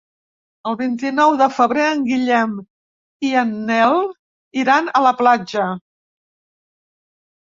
El vint-i-nou de febrer en Guillem i en Nel iran a la platja.